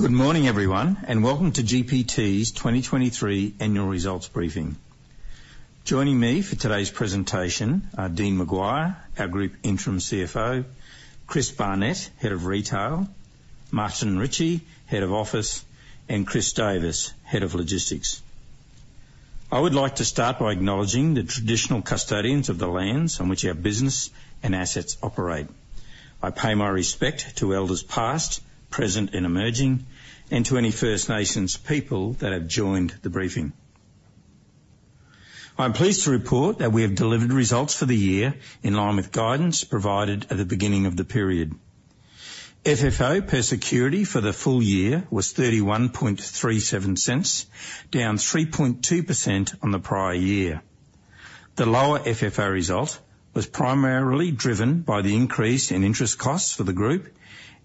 Good morning, everyone, and welcome to GPT's 2023 annual results briefing. Joining me for today's presentation are Dean McGuire, our Group Interim CFO, Chris Barnett, Head of Retail, Martin Ritchie, Head of Office, and Chris Davis, Head of Logistics. I would like to start by acknowledging the traditional custodians of the lands on which our business and assets operate. I pay my respect to elders past, present, and emerging, and to any First Nations people that have joined the briefing. I'm pleased to report that we have delivered results for the year in line with guidance provided at the beginning of the period. FFO per security for the full year was $0.3137, down 3.2% on the prior year. The lower FFO result was primarily driven by the increase in interest costs for the group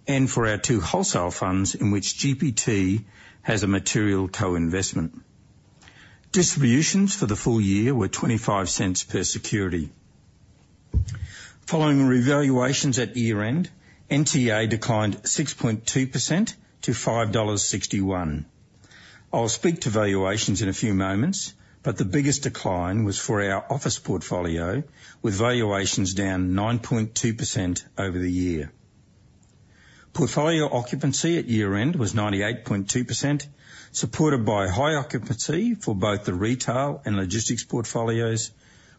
and for our two wholesale funds in which GPT has a material co-investment. Distributions for the full year were $0.25 per security. Following revaluations at year-end, NTA declined 6.2% to $5.61. I'll speak to valuations in a few moments, but the biggest decline was for our office portfolio, with valuations down 9.2% over the year. Portfolio occupancy at year-end was 98.2%, supported by high occupancy for both the retail and logistics portfolios,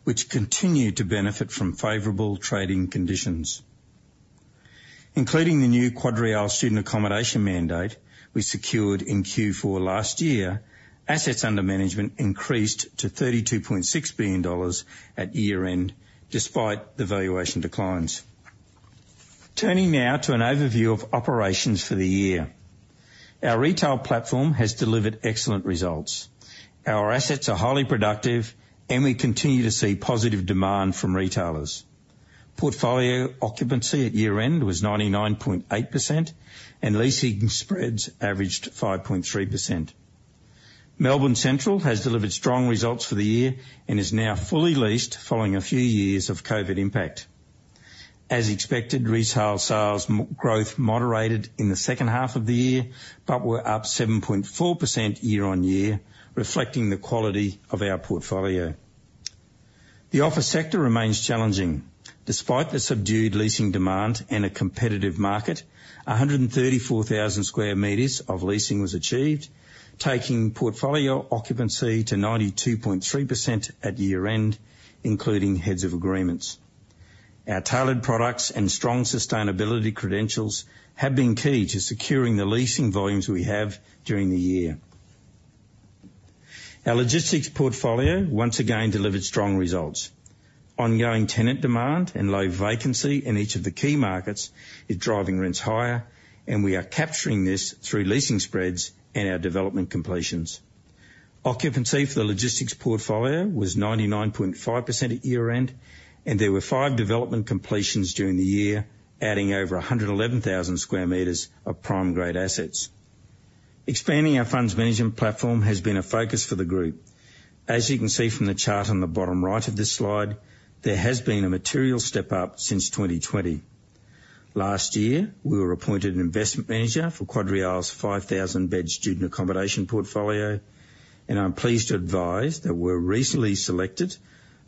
which continued to benefit from favorable trading conditions. Including the new QuadReal student accommodation mandate we secured in Q4 last year, assets under management increased to $32.6 billion at year-end, despite the valuation declines. Turning now to an overview of operations for the year. Our retail platform has delivered excellent results. Our assets are highly productive, and we continue to see positive demand from retailers. Portfolio occupancy at year-end was 99.8%, and leasing spreads averaged 5.3%. Melbourne Central has delivered strong results for the year and is now fully leased following a few years of COVID impact. As expected, retail sales growth moderated in the second half of the year, but were up 7.4% year-over-year, reflecting the quality of our portfolio. The office sector remains challenging. Despite the subdued leasing demand and a competitive market, 134,000 sq m of leasing was achieved, taking portfolio occupancy to 92.3% at year-end, including heads of agreements. Our tailored products and strong sustainability credentials have been key to securing the leasing volumes we have during the year. Our Logistics Portfolio once again delivered strong results. Ongoing tenant demand and low vacancy in each of the key markets is driving rents higher, and we are capturing this through leasing spreads and our development completions. Occupancy for the Logistics Portfolio was 99.5% at year-end, and there were five development completions during the year, adding over 111,000 sq m of prime-grade assets. Expanding our funds management platform has been a focus for the group. As you can see from the chart on the bottom right of this slide, there has been a material step-up since 2020. Last year, we were appointed investment manager for QuadReal's 5,000-bed student accommodation portfolio, and I'm pleased to advise that we were recently selected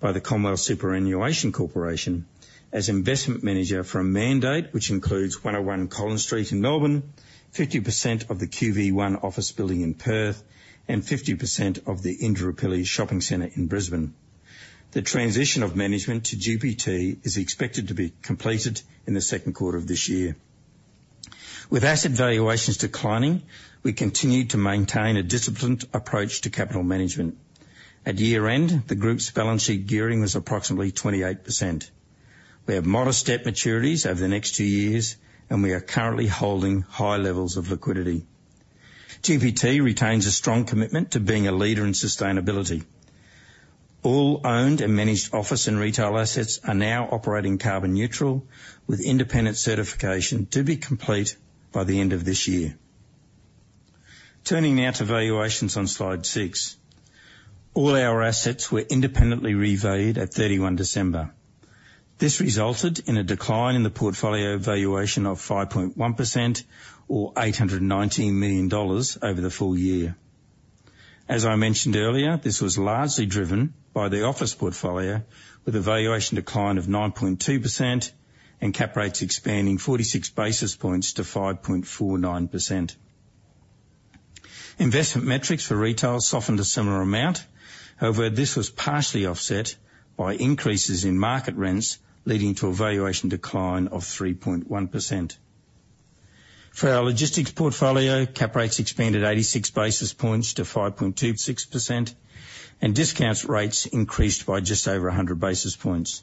by the Commonwealth Superannuation Corporation as investment manager for a mandate, which includes 101 Collins Street in Melbourne, 50% of the QV1 office building in Perth, and 50% of the Indooroopilly Shopping Centre in Brisbane. The transition of management to GPT is expected to be completed in the second quarter of this year. With asset valuations declining, we continue to maintain a disciplined approach to capital management. At year-end, the group's balance sheet gearing was approximately 28%. We have modest debt maturities over the next two years, and we are currently holding high levels of liquidity. GPT retains a strong commitment to being a leader in sustainability. All owned and managed office and retail assets are now operating carbon neutral, with independent certification to be complete by the end of this year. Turning now to valuations on slide six. All our assets were independently revalued at 31st December. This resulted in a decline in the portfolio valuation of 5.1% or $819 million over the full year. As I mentioned earlier, this was largely driven by the office portfolio, with a valuation decline of 9.2% and cap rates expanding 46 basis points to 5.49%. Investment metrics for retail softened a similar amount. However, this was partially offset by increases in market rents, leading to a valuation decline of 3.1%. For our Logistics Portfolio, cap rates expanded 86 basis points to 5.26%, and discount rates increased by just over 100 basis points.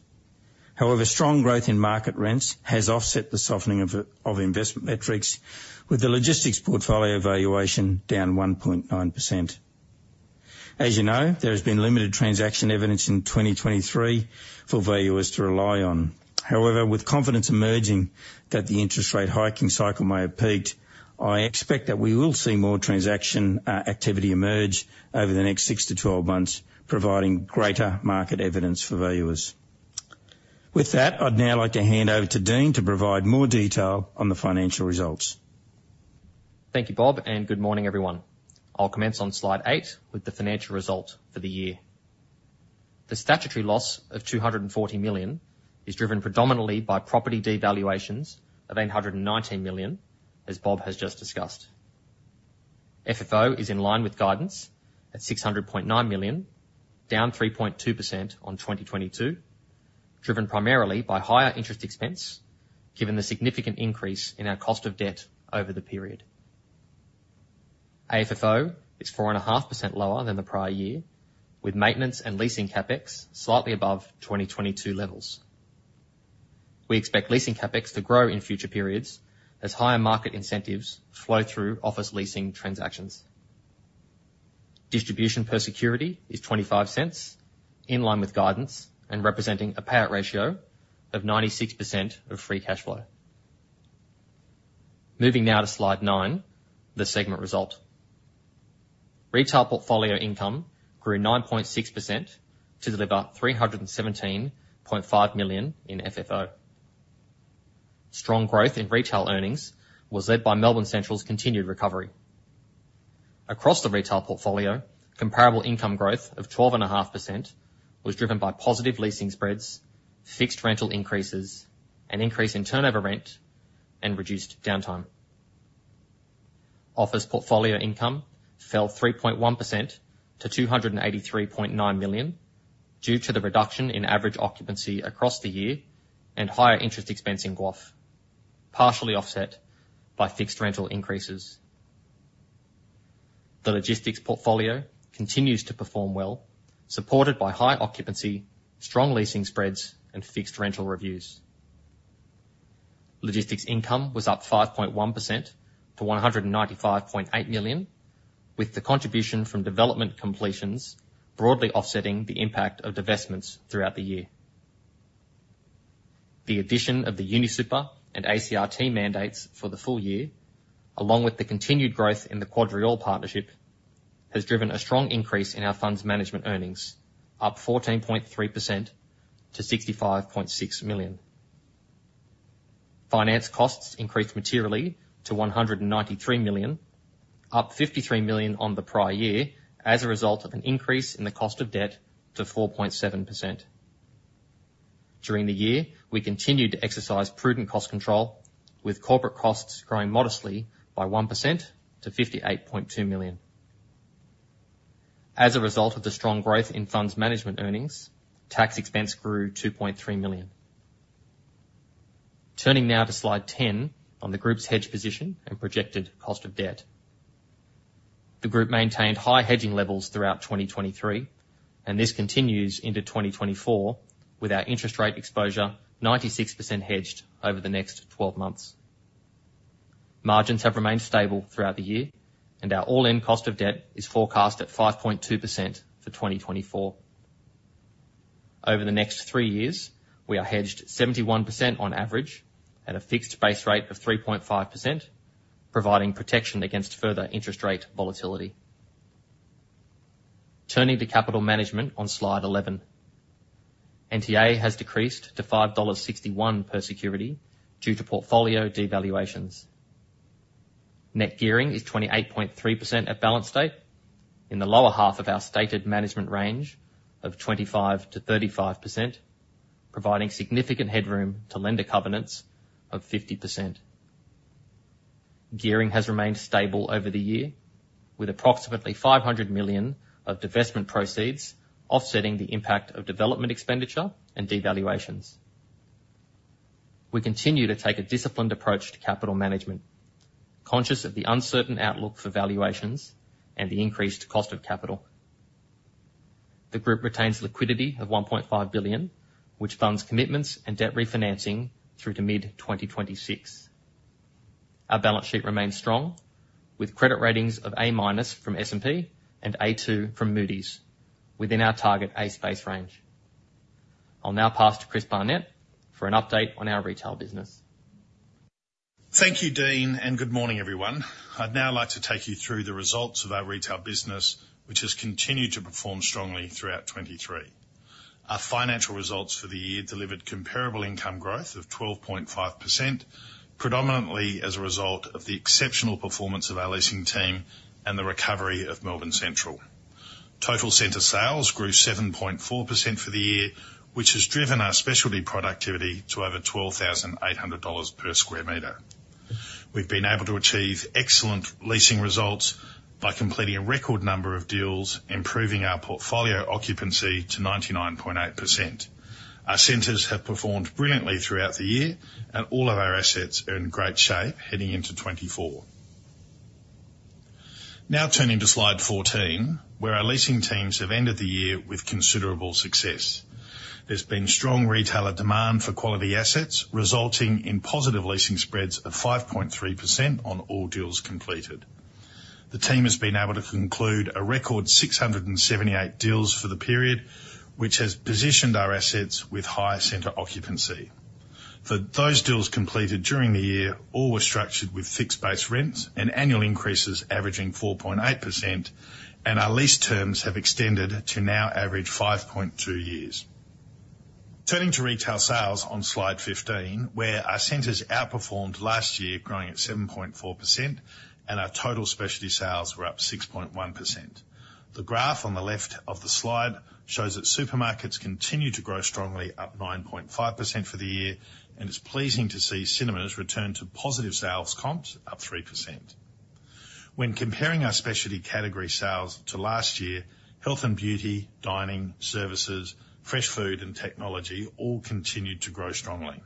However, strong growth in market rents has offset the softening of investment metrics, with the Logistics Portfolio valuation down 1.9%. As you know, there has been limited transaction evidence in 2023 for valuers to rely on. However, with confidence emerging that the interest rate hiking cycle may have peaked, I expect that we will see more transaction activity emerge over the next 6-12 months, providing greater market evidence for valuers. With that, I'd now like to hand over to Dean to provide more detail on the financial results. Thank you, Bob, and good morning, everyone. I'll commence on slide eight with the financial result for the year. The statutory loss of $240 million is driven predominantly by property devaluations of $819 million, as Bob has just discussed. FFO is in line with guidance at $600.9 million, down 3.2% on 2022, driven primarily by higher interest expense, given the significant increase in our cost of debt over the period. AFFO is 4.5% lower than the prior year, with maintenance and leasing CapEx slightly above 2022 levels. We expect leasing CapEx to grow in future periods as higher market incentives flow through office leasing transactions. Distribution per security is 0.25, in line with guidance and representing a payout ratio of 96% of free cash flow. Moving now to slide nine, the segment result. Retail portfolio income grew 9.6% to deliver $317.5 million in FFO. Strong growth in retail earnings was led by Melbourne Central's continued recovery. Across the retail portfolio, comparable income growth of 12.5% was driven by positive leasing spreads, fixed rental increases, an increase in turnover rent, and reduced downtime. Office portfolio income fell 3.1% to $283.9 million, due to the reduction in average occupancy across the year and higher interest expense in GWOF, partially offset by fixed rental increases. The logistics portfolio continues to perform well, supported by high occupancy, strong leasing spreads, and fixed rental reviews. Logistics income was up 5.1% to $195.8 million, with the contribution from development completions broadly offsetting the impact of divestments throughout the year. The addition of the UniSuper and ACRT mandates for the full year, along with the continued growth in the QuadReal partnership, has driven a strong increase in our funds management earnings, up 14.3% to $65.6 million. Finance costs increased materially to $193 million, up $53 million on the prior year, as a result of an increase in the cost of debt to 4.7%. During the year, we continued to exercise prudent cost control, with corporate costs growing modestly by 1% to $58.2 million. As a result of the strong growth in funds management earnings, tax expense grew $2.3 million. Turning now to slide 10 on the group's hedge position and projected cost of debt. The group maintained high hedging levels throughout 2023, and this continues into 2024, with our interest rate exposure 96% hedged over the next 12 months. Margins have remained stable throughout the year, and our all-in cost of debt is forecast at 5.2% for 2024. Over the next three years, we are hedged 71% on average at a fixed base rate of 3.5%, providing protection against further interest rate volatility. Turning to capital management on slide 11. NTA has decreased to $5.61 per security due to portfolio devaluations. Net gearing is 28.3% at balance date, in the lower half of our stated management range of 25%-35%, providing significant headroom to lender covenants of 50%. Gearing has remained stable over the year, with approximately 500 million of divestment proceeds offsetting the impact of development expenditure and devaluations. We continue to take a disciplined approach to capital management, conscious of the uncertain outlook for valuations and the increased cost of capital. The group retains liquidity of $1.5 billion, which funds commitments and debt refinancing through to mid-2026. Our balance sheet remains strong, with credit ratings of A- from S&P and A2 from Moody's within our target A-/A range. I'll now pass to Chris Barnett for an update on our retail business. Thank you, Dean, and good morning, everyone. I'd now like to take you through the results of our retail business, which has continued to perform strongly throughout 2023. Our financial results for the year delivered comparable income growth of 12.5%, predominantly as a result of the exceptional performance of our leasing team and the recovery of Melbourne Central. Total center sales grew 7.4% for the year, which has driven our specialty productivity to over $12,800 per sq m. We've been able to achieve excellent leasing results by completing a record number of deals, improving our portfolio occupancy to 99.8%. Our centers have performed brilliantly throughout the year, and all of our assets are in great shape heading into 2024. Now turning to slide 14, where our leasing teams have ended the year with considerable success. There's been strong retailer demand for quality assets, resulting in positive leasing spreads of 5.3% on all deals completed. The team has been able to conclude a record 678 deals for the period, which has positioned our assets with higher center occupancy.... For those deals completed during the year, all were structured with fixed-base rents and annual increases averaging 4.8%, and our lease terms have extended to now average 5.2 years. Turning to retail sales on slide 15, where our centers outperformed last year, growing at 7.4%, and our total specialty sales were up 6.1%. The graph on the left of the slide shows that supermarkets continue to grow strongly, up 9.5% for the year, and it's pleasing to see cinemas return to positive sales comps, up 3%. When comparing our specialty category sales to last year, health and beauty, dining, services, fresh food, and technology all continued to grow strongly.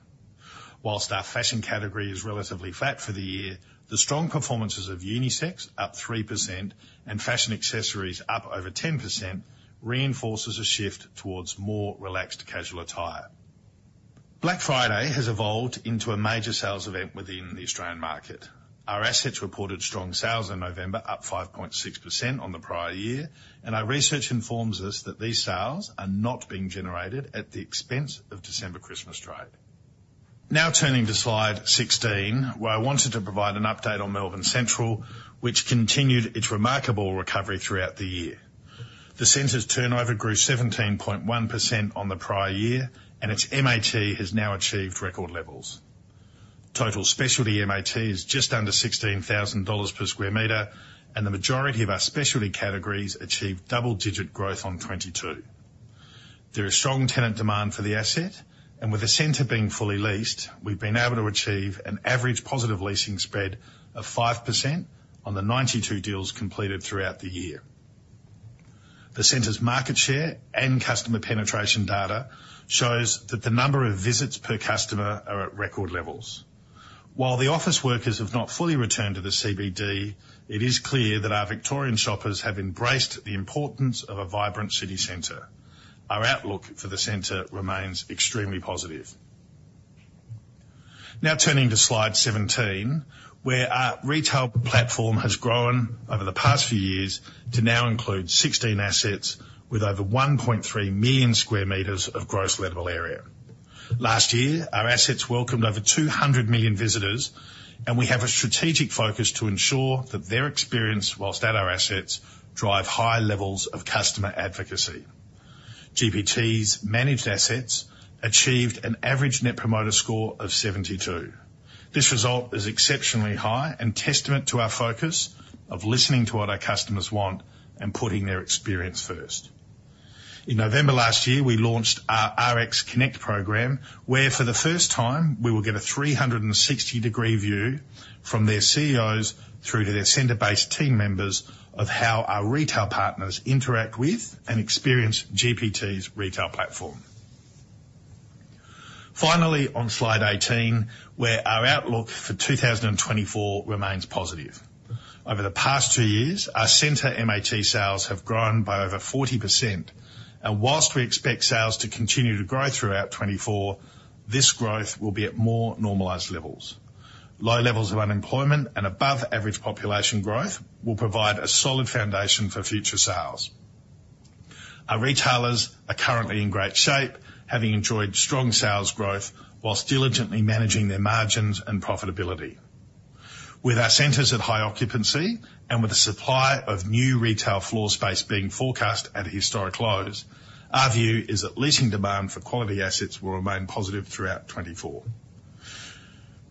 While our fashion category is relatively flat for the year, the strong performances of unisex, up 3%, and fashion accessories, up over 10%, reinforces a shift towards more relaxed casual attire. Black Friday has evolved into a major sales event within the Australian market. Our assets reported strong sales in November, up 5.6% on the prior year, and our research informs us that these sales are not being generated at the expense of December Christmas trade. Now turning to slide 16, where I wanted to provide an update on Melbourne Central, which continued its remarkable recovery throughout the year. The center's turnover grew 17.1% on the prior year, and its MAT has now achieved record levels. Total specialty MAT is just under $16,000 per sq m, and the majority of our specialty categories achieved double-digit growth on 2022. There is strong tenant demand for the asset, and with the center being fully leased, we've been able to achieve an average positive leasing spread of 5% on the 92 deals completed throughout the year. The center's market share and customer penetration data shows that the number of visits per customer are at record levels. While the office workers have not fully returned to the CBD, it is clear that our Victorian shoppers have embraced the importance of a vibrant city center. Our outlook for the center remains extremely positive. Now turning to slide 17, where our retail platform has grown over the past few years to now include 16 assets with over 1.3 million sq m of gross lettable area. Last year, our assets welcomed over 200 million visitors, and we have a strategic focus to ensure that their experience while at our assets drive high levels of customer advocacy. GPT's managed assets achieved an average net promoter score of 72. This result is exceptionally high and testament to our focus of listening to what our customers want and putting their experience first. In November last year, we launched our RX Connect program, where for the first time, we will get a 360-degree view from their CEOs through to their center-based team members of how our retail partners interact with and experience GPT's retail platform. Finally, on Slide 18, where our outlook for 2024 remains positive. Over the past two years, our center MAT sales have grown by over 40%, and while we expect sales to continue to grow throughout 2024, this growth will be at more normalized levels. Low levels of unemployment and above average population growth will provide a solid foundation for future sales. Our retailers are currently in great shape, having enjoyed strong sales growth while diligently managing their margins and profitability. With our centers at high occupancy, and with the supply of new retail floor space being forecast at historic lows, our view is that leasing demand for quality assets will remain positive throughout 2024.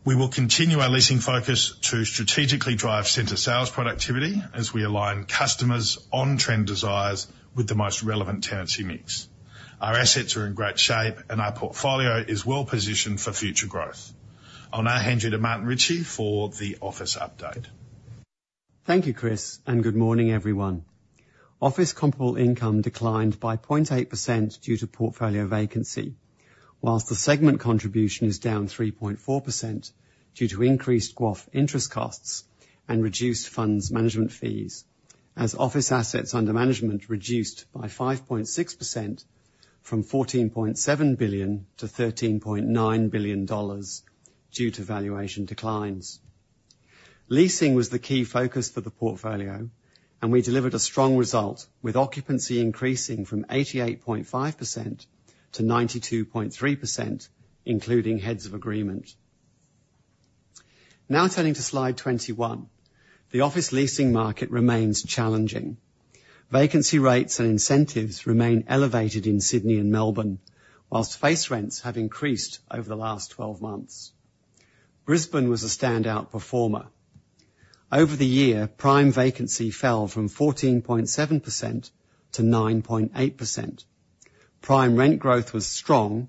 We will continue our leasing focus to strategically drive center sales productivity as we align customers' on-trend desires with the most relevant tenancy mix. Our assets are in great shape, and our portfolio is well positioned for future growth. I'll now hand you to Martin Ritchie for the office update. Thank you, Chris, and good morning, everyone. Office comparable income declined by 0.8% due to portfolio vacancy, while the segment contribution is down 3.4% due to increased GWOF interest costs and reduced funds management fees, as office assets under management reduced by 5.6% from $14.7 billion to $13.9 billion dollars due to valuation declines. Leasing was the key focus for the portfolio, and we delivered a strong result, with occupancy increasing from 88.5% to 92.3%, including heads of agreement. Now turning to slide 21, the office leasing market remains challenging. Vacancy rates and incentives remain elevated in Sydney and Melbourne, while face rents have increased over the last 12 months. Brisbane was a standout performer. Over the year, prime vacancy fell from 14.7% to 9.8%. Prime rent growth was strong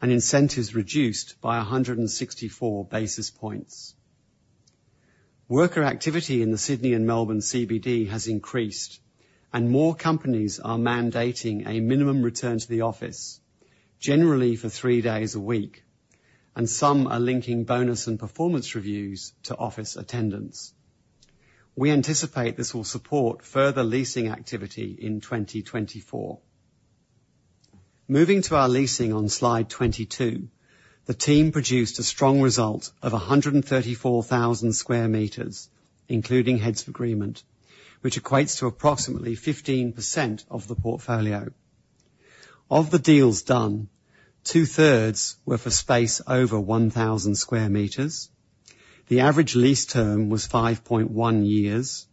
and incentives reduced by 164 basis points. Worker activity in the Sydney and Melbourne CBD has increased, and more companies are mandating a minimum return to the office, generally for three days a week, and some are linking bonus and performance reviews to office attendance. We anticipate this will support further leasing activity in 2024. Moving to our leasing on slide 22, the team produced a strong result of 134,000 sq m, including heads of agreement, which equates to approximately 15% of the portfolio. Of the deals done, two-thirds were for space over 1,000 sq m. The average lease term was 5.1 years,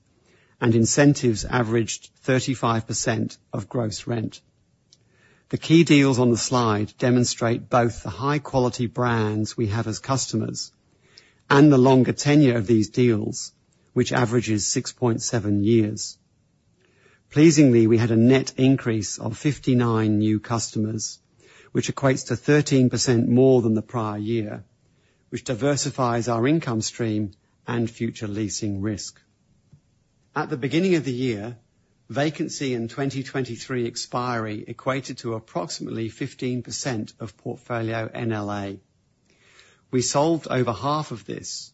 and incentives averaged 35% of gross rent. The key deals on the slide demonstrate both the high-quality brands we have as customers and the longer tenure of these deals, which averages 6.7 years. Pleasingly, we had a net increase of 59 new customers, which equates to 13% more than the prior year, which diversifies our income stream and future leasing risk. At the beginning of the year, vacancy in 2023 expiry equated to approximately 15% of portfolio NLA. We sold over half of this,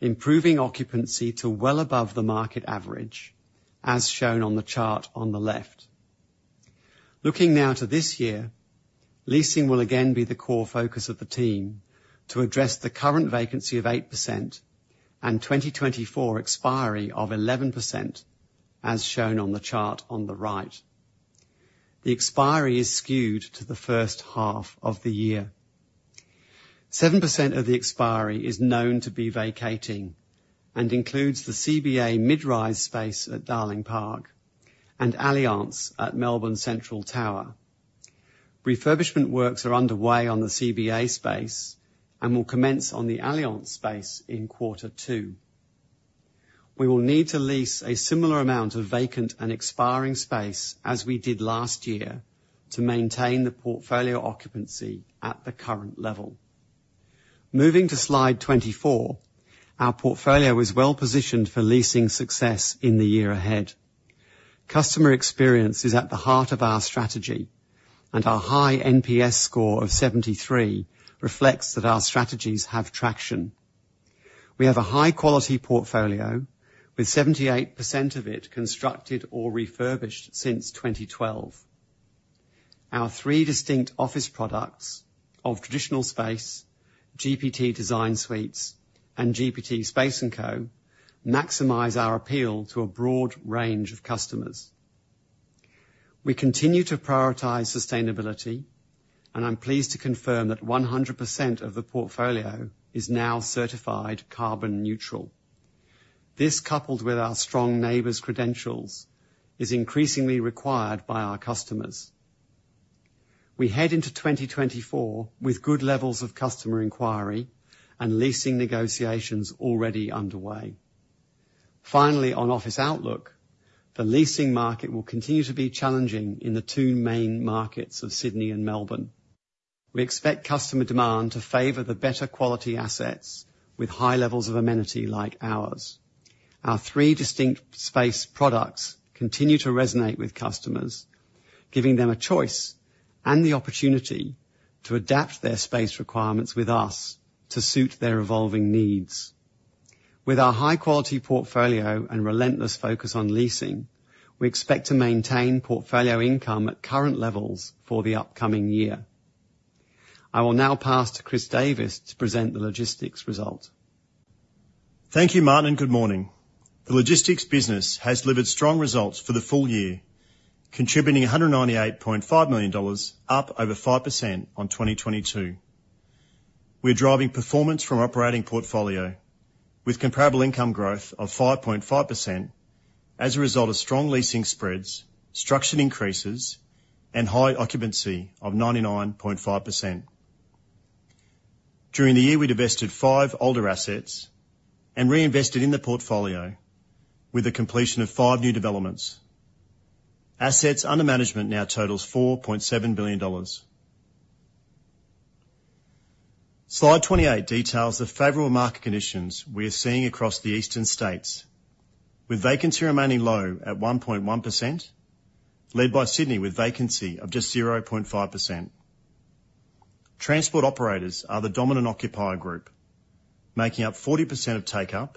improving occupancy to well above the market average, as shown on the chart on the left. Looking now to this year, leasing will again be the core focus of the team to address the current vacancy of 8% and 2024 expiry of 11%, as shown on the chart on the right. The expiry is skewed to the first half of the year. 7% of the expiry is known to be vacating and includes the CBA midrise space at Darling Park and Allianz at Melbourne Central Tower. Refurbishment works are underway on the CBA space and will commence on the Allianz space in quarter two. We will need to lease a similar amount of vacant and expiring space as we did last year to maintain the portfolio occupancy at the current level. Moving to slide 24, our portfolio is well positioned for leasing success in the year ahead. Customer experience is at the heart of our strategy, and our high NPS score of 73 reflects that our strategies have traction. We have a high-quality portfolio, with 78% of it constructed or refurbished since 2012. Our three distinct office products of traditional space, GPT DesignSuites, and GPT Space&Co., maximize our appeal to a broad range of customers. We continue to prioritize sustainability, and I'm pleased to confirm that 100% of the portfolio is now certified carbon neutral. This, coupled with our strong NABERS credentials, is increasingly required by our customers. We head into 2024 with good levels of customer inquiry and leasing negotiations already underway. Finally, on office outlook, the leasing market will continue to be challenging in the two main markets of Sydney and Melbourne. We expect customer demand to favor the better quality assets with high levels of amenity like ours. Our three distinct space products continue to resonate with customers, giving them a choice and the opportunity to adapt their space requirements with us to suit their evolving needs. With our high-quality portfolio and relentless focus on leasing, we expect to maintain portfolio income at current levels for the upcoming year. I will now pass to Chris Davis to present the logistics result. Thank you, Martin, and good morning. The logistics business has delivered strong results for the full year, contributing $198.5 million, up over 5% on 2022. We're driving performance from operating portfolio with comparable income growth of 5.5% as a result of strong leasing spreads, structured increases, and high occupancy of 99.5%. During the year, we divested five older assets and reinvested in the portfolio with the completion of five new developments. Assets under management now totals $4.7 billion. Slide 28 details the favorable market conditions we are seeing across the eastern states, with vacancy remaining low at 1.1%, led by Sydney, with vacancy of just 0.5%. Transport operators are the dominant occupier group, making up 40% of takeup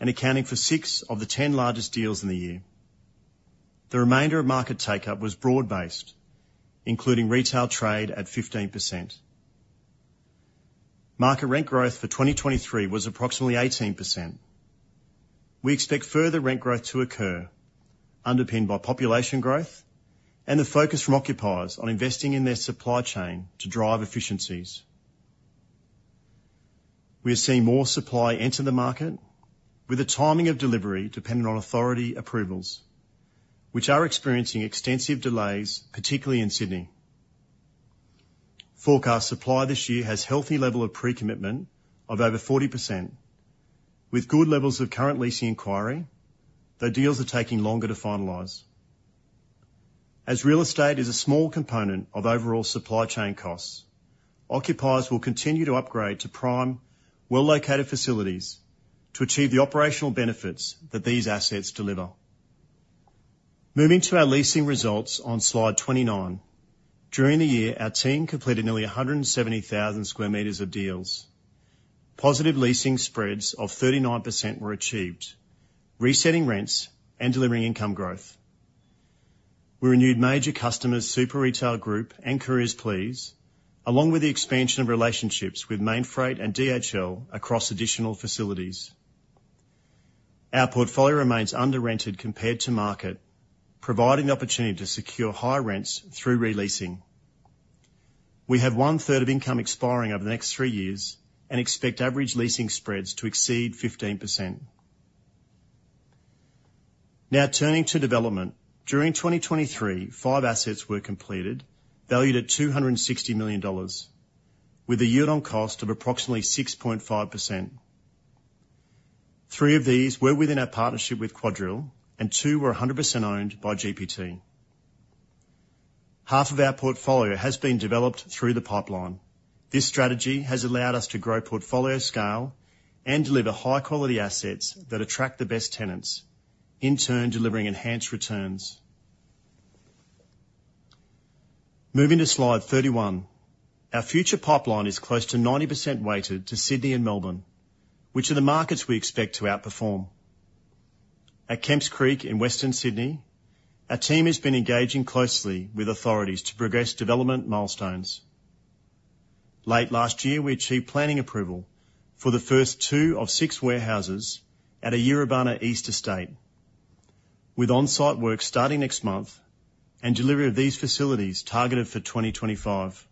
and accounting for 6 of the 10 largest deals in the year. The remainder of market takeup was broad-based, including retail trade at 15%. Market rent growth for 2023 was approximately 18%. We expect further rent growth to occur, underpinned by population growth and the focus from occupiers on investing in their supply chain to drive efficiencies. We are seeing more supply enter the market, with the timing of delivery dependent on authority approvals, which are experiencing extensive delays, particularly in Sydney. Forecast supply this year has healthy level of pre-commitment of over 40%, with good levels of current leasing inquiry, though deals are taking longer to finalize. As real estate is a small component of overall supply chain costs, occupiers will continue to upgrade to prime, well-located facilities to achieve the operational benefits that these assets deliver. Moving to our leasing results on slide 29. During the year, our team completed nearly 170,000 sq m of deals. Positive leasing spreads of 39% were achieved, resetting rents and delivering income growth. We renewed major customers, Super Retail Group and CouriersPlease, along with the expansion of relationships with Mainfreight and DHL across additional facilities. Our portfolio remains under-rented compared to market, providing the opportunity to secure higher rents through re-leasing. We have one-third of income expiring over the next three years and expect average leasing spreads to exceed 15%. Now turning to development. During 2023, five assets were completed, valued at $260 million, with a yield on cost of approximately 6.5%. Three of these were within our partnership with QuadReal, and two were 100% owned by GPT. Half of our portfolio has been developed through the pipeline. This strategy has allowed us to grow portfolio scale and deliver high-quality assets that attract the best tenants, in turn, delivering enhanced returns. Moving to slide 31. Our future pipeline is close to 90% weighted to Sydney and Melbourne, which are the markets we expect to outperform. At Kemps Creek in Western Sydney, our team has been engaging closely with authorities to progress development milestones. Late last year, we achieved planning approval for the first 2 of 6 warehouses at a Yiribana East estate, with on-site work starting next month and delivery of these facilities targeted for 2025.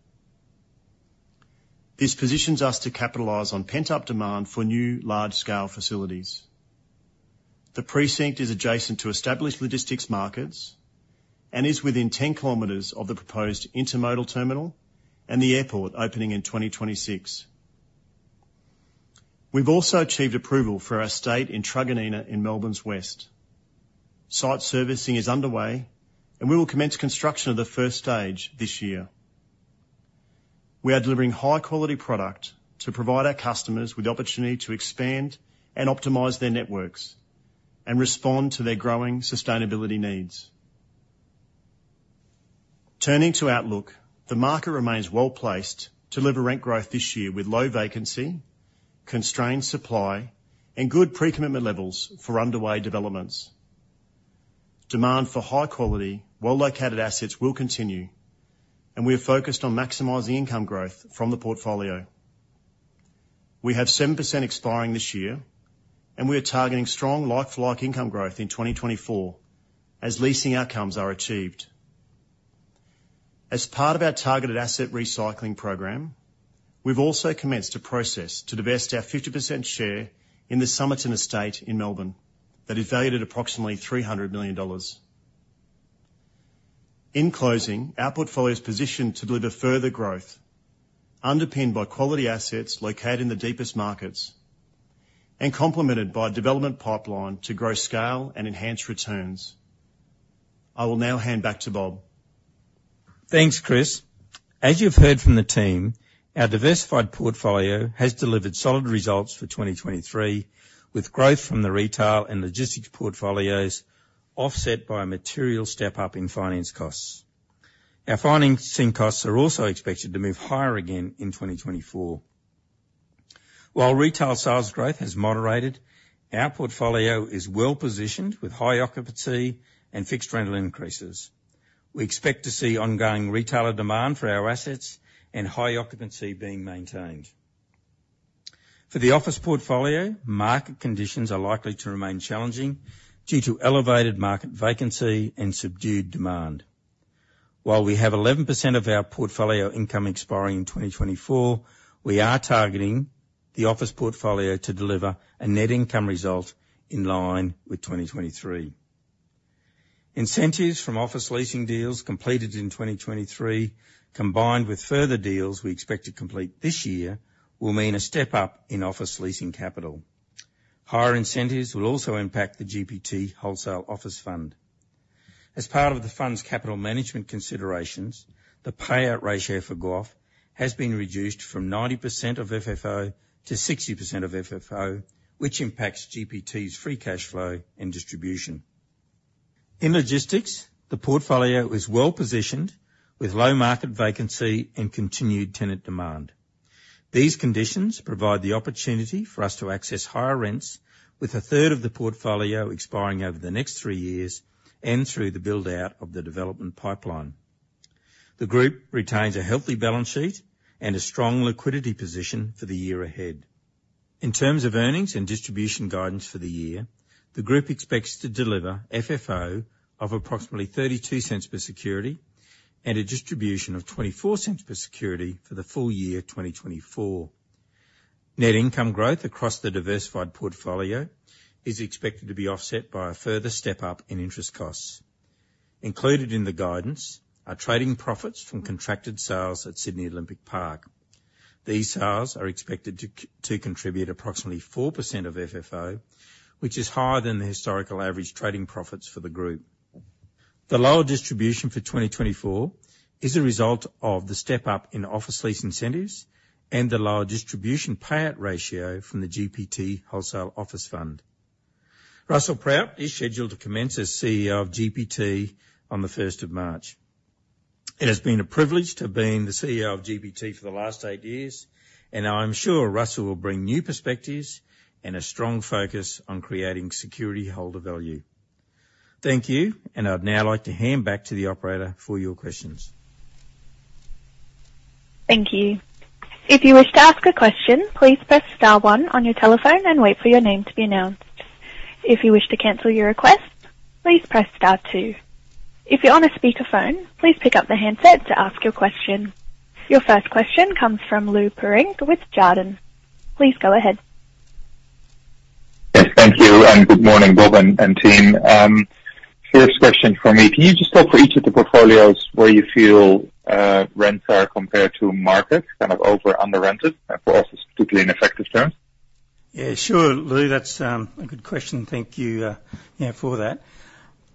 This positions us to capitalize on pent-up demand for new large-scale facilities. The precinct is adjacent to established logistics markets and is within 10 kilometers of the proposed intermodal terminal and the airport opening in 2026. We've also achieved approval for our estate in Truganina in Melbourne's west. Site servicing is underway, and we will commence construction of the first stage this year. We are delivering high-quality product to provide our customers with the opportunity to expand and optimize their networks and respond to their growing sustainability needs. Turning to outlook, the market remains well-placed to deliver rent growth this year, with low vacancy, constrained supply, and good pre-commitment levels for underway developments. Demand for high quality, well-located assets will continue, and we are focused on maximizing income growth from the portfolio. We have 7% expiring this year, and we are targeting strong like-for-like income growth in 2024 as leasing outcomes are achieved. As part of our targeted asset recycling program, we've also commenced a process to divest our 50% share in the Somerton Estate in Melbourne that is valued at approximately $300 million. In closing, our portfolio is positioned to deliver further growth, underpinned by quality assets located in the deepest markets, and complemented by a development pipeline to grow scale and enhance returns. I will now hand back to Bob. Thanks, Chris. As you've heard from the team, our diversified portfolio has delivered solid results for 2023, with growth from the retail and logistics portfolios offset by a material step-up in finance costs. Our financing costs are also expected to move higher again in 2024. While retail sales growth has moderated, our portfolio is well-positioned with high occupancy and fixed rental increases. We expect to see ongoing retailer demand for our assets and high occupancy being maintained. For the office portfolio, market conditions are likely to remain challenging due to elevated market vacancy and subdued demand. While we have 11% of our portfolio income expiring in 2024, we are targeting the office portfolio to deliver a net income result in line with 2023. Incentives from office leasing deals completed in 2023, combined with further deals we expect to complete this year, will mean a step-up in office leasing capital. Higher incentives will also impact the GPT Wholesale Office Fund. As part of the fund's capital management considerations, the payout ratio for GOF has been reduced from 90% of FFO to 60% of FFO, which impacts GPT's free cash flow and distribution. In logistics, the portfolio is well-positioned with low market vacancy and continued tenant demand. These conditions provide the opportunity for us to access higher rents with a third of the portfolio expiring over the next three years and through the build-out of the development pipeline. The group retains a healthy balance sheet and a strong liquidity position for the year ahead. In terms of earnings and distribution guidance for the year, the group expects to deliver FFO of approximately $0.32 per security and a distribution of $0.24 per security for the full year 2024. Net income growth across the diversified portfolio is expected to be offset by a further step-up in interest costs. Included in the guidance are trading profits from contracted sales at Sydney Olympic Park. These sales are expected to contribute approximately 4% of FFO, which is higher than the historical average trading profits for the group. The lower distribution for 2024 is a result of the step-up in office lease incentives and the lower distribution payout ratio from the GPT Wholesale Office Fund. Russell Proutt is scheduled to commence as CEO of GPT on the first of March. It has been a privilege to have been the CEO of GPT for the last eight years, and I'm sure Russell will bring new perspectives and a strong focus on creating security holder value. Thank you, and I'd now like to hand back to the operator for your questions. Thank you. If you wish to ask a question, please press star one on your telephone and wait for your name to be announced. If you wish to cancel your request, please press star two. If you're on a speakerphone, please pick up the handset to ask your question. Your first question comes from Lou Pirenc with Jarden. Please go ahead. Yes, thank you, and good morning, Bob and team. First question for me, can you just talk for each of the portfolios where you feel rents are compared to markets, kind of over/under rented for office, particularly in effective terms? Yeah, sure, Lou. That's a good question. Thank you, yeah, for that.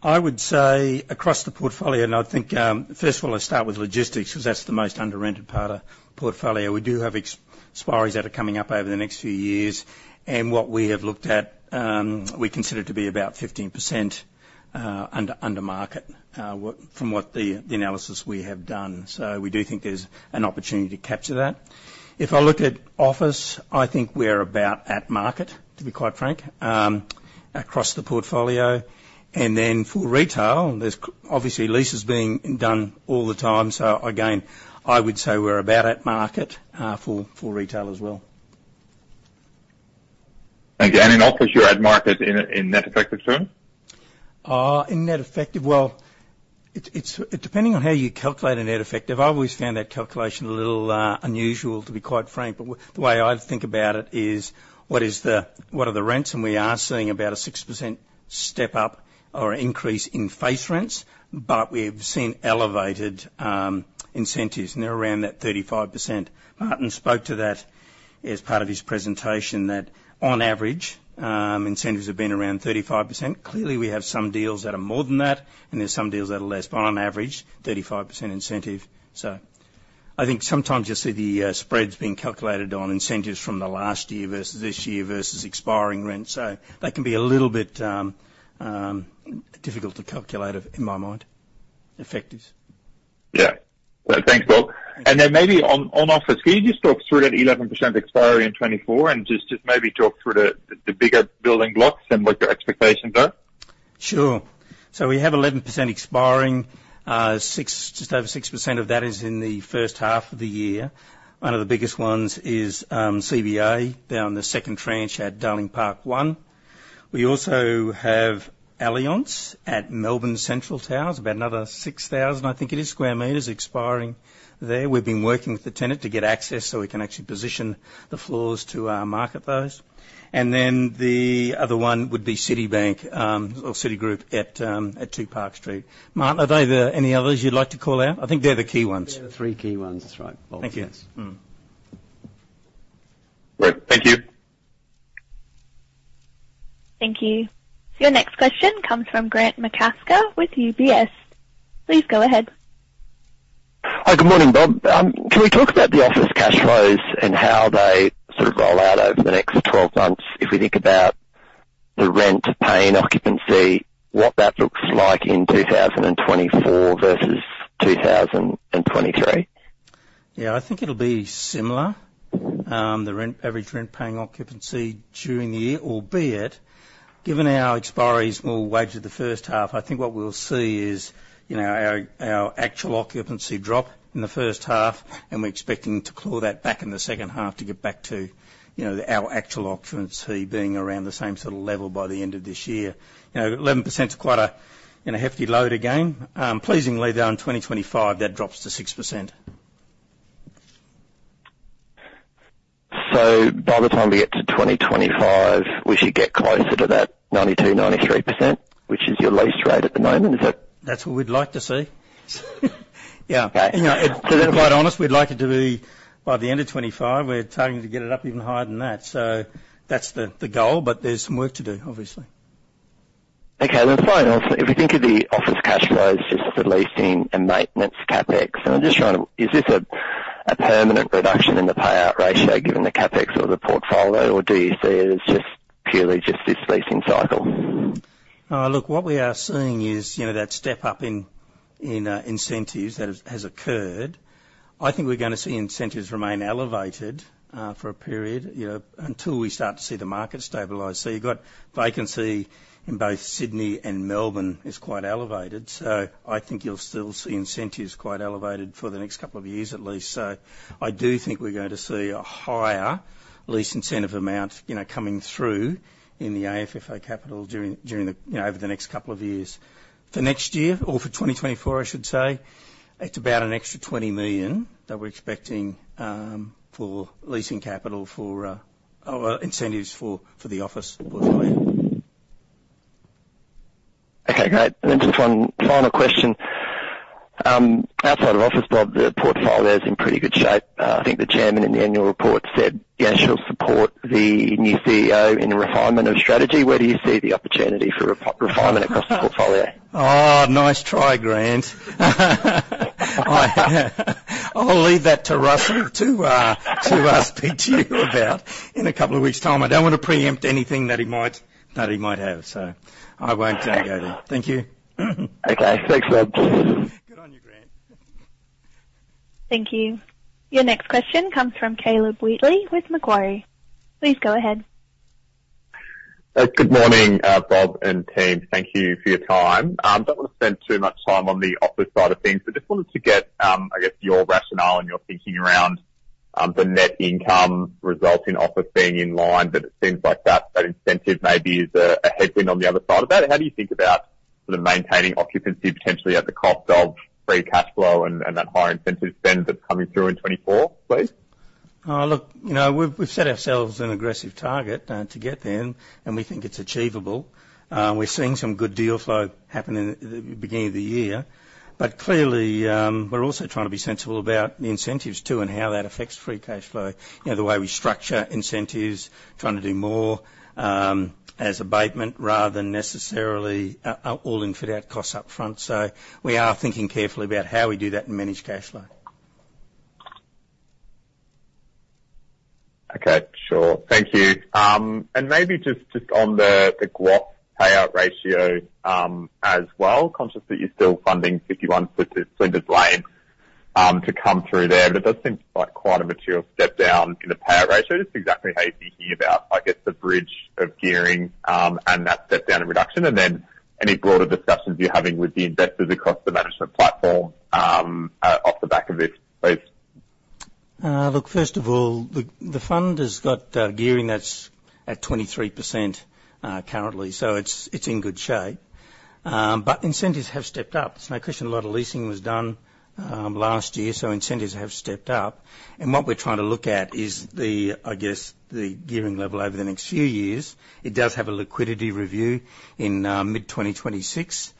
I would say across the portfolio, and I think first of all, I start with logistics because that's the most under-rented part of portfolio. We do have expiries that are coming up over the next few years, and what we have looked at, we consider to be about 15% under market from what the analysis we have done. So we do think there's an opportunity to capture that. If I look at office, I think we're about at market, to be quite frank, across the portfolio. And then for retail, there's obviously leases being done all the time, so again, I would say we're about at market for retail as well. Thank you. In office, you're at market in net effective terms? In net effective, depending on how you calculate a net effective, I've always found that calculation a little unusual, to be quite frank. But the way I think about it is, what are the rents? And we are seeing about a 6% step up or increase in face rents, but we've seen elevated incentives, and they're around that 35%. Martin spoke to that as part of his presentation, that on average, incentives have been around 35%. Clearly, we have some deals that are more than that, and there's some deals that are less, but on average, 35% incentive. So I think sometimes you'll see the spreads being calculated on incentives from the last year versus this year versus expiring rents. That can be a little bit difficult to calculate, in my mind, effectives. Yeah. Thanks, Bob. Thank you. Then maybe on office, can you just talk through that 11% expiry in 2024 and just maybe talk through the bigger building blocks and what your expectations are? Sure. So we have 11% expiring. Six, just over 6% of that is in the first half of the year. One of the biggest ones is CBA, down the second tranche at Darling Park One. We also have Allianz at Melbourne Central Tower, about another 6,000, I think it is, sq m expiring there. We've been working with the tenant to get access so we can actually position the floors to market those. And then the other one would be Citibank or Citigroup at 2 Park Street. Martin, are there any others you'd like to call out? I think they're the key ones. They're the three key ones. That's right, Bob. Thank you. Yes. Mm. Great. Thank you. Thank you. Your next question comes from Grant McCasker with UBS. Please go ahead. Hi, good morning, Bob. Can we talk about the office cash flows and how they sort of roll out over the next 12 months? If we think about the rent paying occupancy, what that looks like in 2024 versus 2023. Yeah, I think it'll be similar. The rent, average rent paying occupancy during the year, albeit, given our expiries more weighted to the first half, I think what we'll see is, you know, our, our actual occupancy drop in the first half, and we're expecting to claw that back in the second half to get back to, you know, our actual occupancy being around the same sort of level by the end of this year. You know, 11% is quite a, you know, hefty load again. Pleasingly, though, in 2025, that drops to 6%. So by the time we get to 2025, we should get closer to that 92%-93%, which is your lease rate at the moment. Is that- That's what we'd like to see. Yeah. Okay. You know, to be quite honest, we'd like it to be by the end of 2025, we're targeting to get it up even higher than that. So that's the goal, but there's some work to do, obviously. Okay, then finally, if we think of the office cash flows just at least in a maintenance CapEx, and I'm just trying to... Is this a permanent reduction in the payout ratio given the CapEx or the portfolio, or do you see it as just purely just this leasing cycle? Look, what we are seeing is, you know, that step up in incentives that has occurred. I think we're gonna see incentives remain elevated for a period, you know, until we start to see the market stabilize. So you've got vacancy in both Sydney and Melbourne is quite elevated, so I think you'll still see incentives quite elevated for the next couple of years at least. So I do think we're going to see a higher lease incentive amount, you know, coming through in the AFFO capital during the, you know, over the next couple of years. For next year or for 2024, I should say, it's about an extra $20 million that we're expecting for leasing capital for or incentives for for the office portfolio. Okay, great. Then just one final question. Outside of office, Bob, the portfolio is in pretty good shape. I think the chairman in the annual report said, he actually will support the new CEO in the refinement of strategy. Where do you see the opportunity for refinement across the portfolio? Oh, nice try, Grant. I, I'll leave that to Russell to, to, speak to you about in a couple of weeks' time. I don't want to preempt anything that he might, that he might have, so I won't go there. Thank you. Okay. Thanks, Bob. Good on you, Grant. Thank you. Your next question comes from Caleb Wheatley with Macquarie. Please go ahead. Good morning, Bob and team. Thank you for your time. Don't want to spend too much time on the office side of things, but just wanted to get, I guess, your rationale and your thinking around, the net income result in office being in line, but it seems like that incentive maybe is a headwind on the other side of that. How do you think about the maintaining occupancy, potentially at the cost of free cash flow and that higher incentive spend that's coming through in 2024, please? Look, you know, we've set ourselves an aggressive target to get there, and we think it's achievable. We're seeing some good deal flow happen in the beginning of the year. But clearly, we're also trying to be sensible about the incentives too, and how that affects free cash flow. You know, the way we structure incentives, trying to do more as abatement rather than necessarily all-in fit-out costs upfront. So we are thinking carefully about how we do that and manage cash flow. Okay, sure. Thank you. And maybe just, just on the GPT payout ratio, as well. Conscious that you're still funding 51 Flinders Lane, to come through there, but it does seem like quite a material step down in the payout ratio. Just exactly how you're thinking about, I guess, the bridge of gearing, and that step down in reduction, and then any broader discussions you're having with the investors across the management platform, off the back of this, please. Look, first of all, the fund has got gearing that's at 23%, currently, so it's in good shape. But incentives have stepped up. There's no question a lot of leasing was done last year, so incentives have stepped up. And what we're trying to look at is, I guess, the gearing level over the next few years. It does have a liquidity review in mid-2026,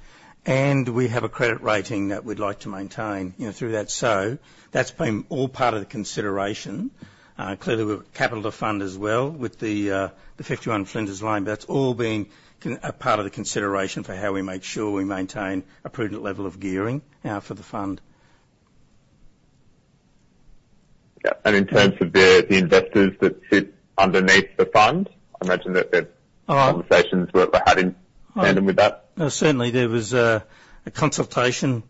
and we have a credit rating that we'd like to maintain, you know, through that. So that's been all part of the consideration. Clearly, we've capital to fund as well with the 51 Flinders Lane, but that's all been a part of the consideration for how we make sure we maintain a prudent level of gearing for the fund. Yeah. And in terms of the investors that sit underneath the fund, I imagine that the conversations were had in tandem with that? No, certainly there was a consultation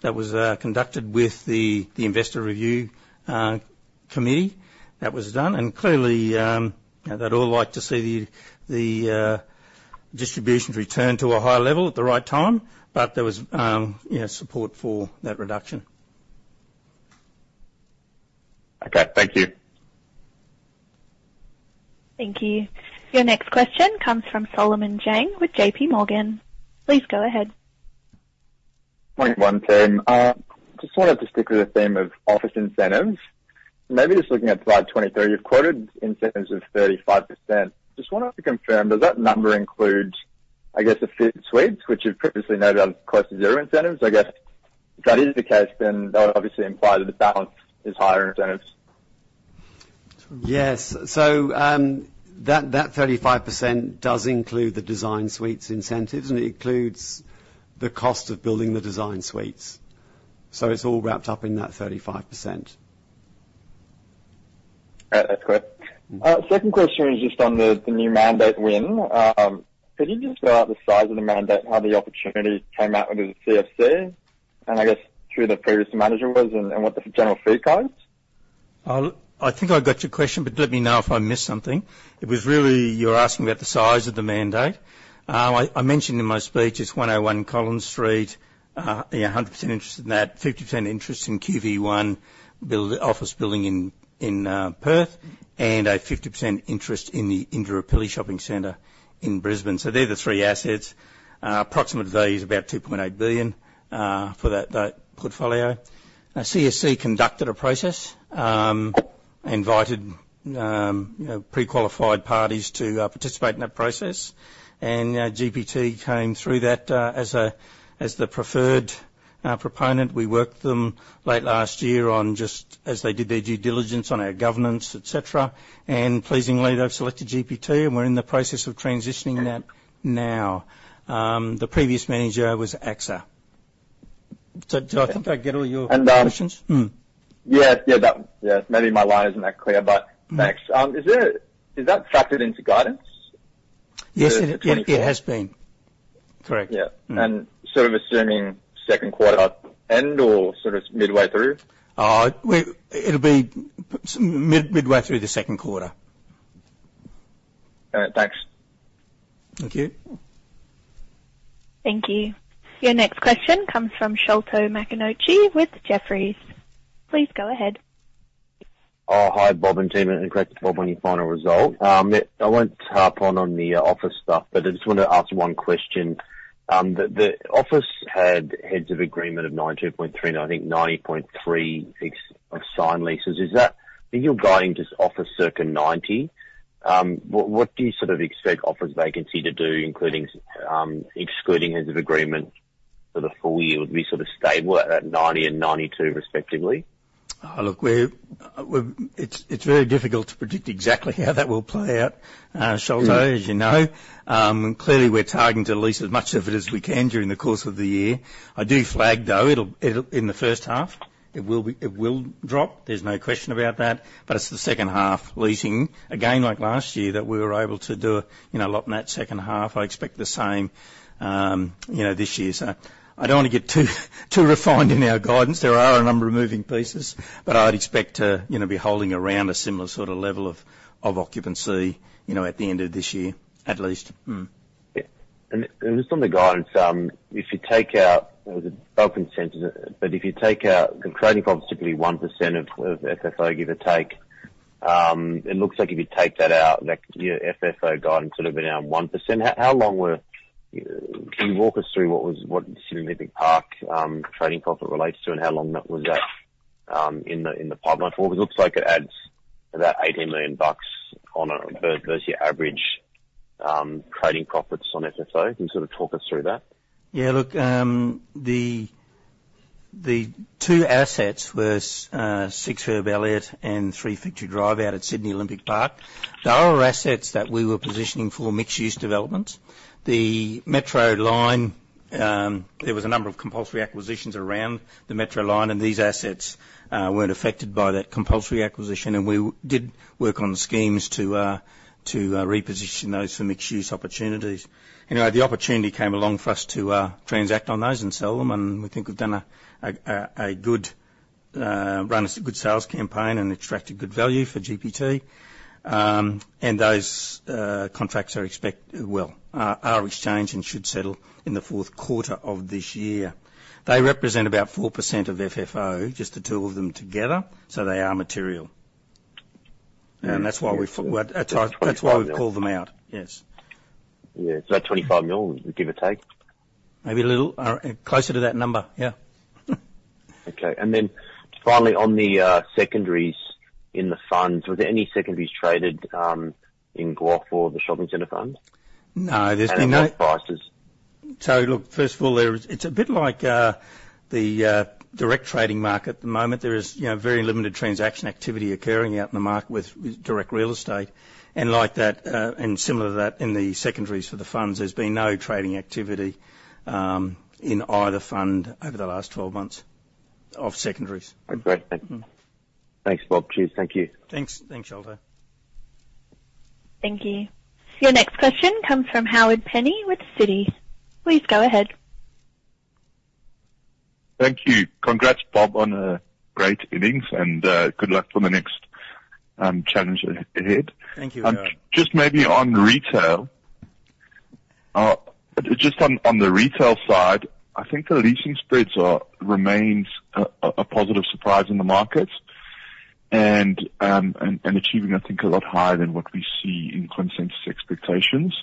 that was conducted with the investor review committee. That was done, and clearly, they'd all like to see the distributions return to a higher level at the right time, but there was, you know, support for that reduction. Okay, thank you. Thank you. Your next question comes from Solomon Zhang with J.P. Morgan. Please go ahead. Morning, everyone, team. Just wanted to stick with the theme of office incentives. Maybe just looking at slide 23, you've quoted incentives of 35%. Just wanted to confirm, does that number include, I guess, the fit suites, which you've previously noted are close to zero incentives? I guess, if that is the case, then that would obviously imply that the balance is higher incentives. Yes. So, that 35% does include the design suites incentives, and it includes the cost of building the design suites. So it's all wrapped up in that 35%. All right. That's clear. Second question is just on the, the new mandate win. Could you just go over the size of the mandate and how the opportunity came about with the CSC, and I guess who the previous manager was and, and what the general fee guide? I think I got your question, but let me know if I missed something. It was really, you're asking about the size of the mandate. I mentioned in my speech, it's 101 Collins Street, a 100% interest in that, 50% interest in QV1 office building in Perth, and a 50% interest in the Indooroopilly Shopping Centre in Brisbane. So they're the three assets. Approximate value is about $2.8 billion for that portfolio. CSC conducted a process, invited, you know, pre-qualified parties to participate in that process, and GPT came through that as a, as the preferred proponent. We worked with them late last year on just as they did their due diligence on our governance, et cetera. Pleasingly, they've selected GPT, and we're in the process of transitioning that now. The previous manager was AXA. So, do I think I get all your questions? And, um- Mm. Yeah, yeah, that. Yeah, maybe my line isn't that clear, but- Mm. Thanks. Is it, is that tracked into guidance? Yes, it has been. Correct. Yeah. Mm. Sort of assuming second quarter end or sort of midway through? Oh, it'll be midway through the second quarter. All right, thanks. Thank you. Thank you. Your next question comes from Sholto Maconochie with Jefferies. Please go ahead. Oh, hi, Bob and team, and congrats to Bob on your final result. I won't harp on on the office stuff, but I just want to ask one question. The office had heads of agreement of 19.3%, and I think 90.3% of signed leases. Is that, are you guiding just office circa 90%? What do you sort of expect office vacancy to do, including, excluding heads of agreement for the full year? Would we sort of stable at 90% and 92% respectively? Oh, look, we've. It's very difficult to predict exactly how that will play out, Sholto, as you know. Mm. Clearly, we're targeting to lease as much of it as we can during the course of the year. I do flag, though, it'll, in the first half, it will drop, there's no question about that, but it's the second half leasing, again, like last year, that we were able to do, you know, a lot in that second half. I expect the same, you know, this year. So I don't want to get too refined in our guidance. There are a number of moving pieces, but I'd expect to, you know, be holding around a similar sort of level of occupancy, you know, at the end of this year, at least. Yeah, and just on the guidance, if you take out the bulk incentives, but if you take out the trading profit, typically 1% of FFO, give or take, it looks like if you take that out, like, your FFO guidance would have been down 1%. How long were can you walk us through what Sydney Olympic Park trading profit relates to and how long that was in the pipeline for? It looks like it adds about $18 million versus your average trading profits on FFO. Can you sort of talk us through that? Yeah, look, the two assets were 6 Herb Elliott and 3 Victory Drive out at Sydney Olympic Park. They are our assets that we were positioning for mixed-use development. The Metro line, there was a number of compulsory acquisitions around the Metro line, and these assets weren't affected by that compulsory acquisition, and we did work on schemes to reposition those for mixed-use opportunities. Anyway, the opportunity came along for us to transact on those and sell them, and we think we've done a good run a good sales campaign and attracted good value for GPT. And those contracts are exchanged and should settle in the fourth quarter of this year. They represent about 4% of FFO, just the two of them together, so they are material. Yeah. That's why, that's why we've called them out. Yes. Yeah. It's about $25 million, give or take? Maybe a little, closer to that number. Yeah. Okay. And then finally, on the secondaries in the funds, were there any secondaries traded in Guelph or the shopping center funds? No, there's been no- At what prices? So look, first of all, it's a bit like the direct trading market at the moment. There is, you know, very limited transaction activity occurring out in the market with direct real estate. And like that, and similar to that, in the secondaries for the funds, there's been no trading activity in either fund over the last 12 months of secondaries. Great. Thank. Mm-hmm. Thanks, Bob. Cheers. Thank you. Thanks. Thanks, Aldo. Thank you. Your next question comes from Howard Penny with Citi. Please go ahead. Thank you. Congrats, Bob, on a great innings, and good luck for the next challenge ahead. Thank you, Howard. Just maybe on retail, just on the retail side, I think the leasing spreads are remains a positive surprise in the market and achieving, I think, a lot higher than what we see in consensus expectations.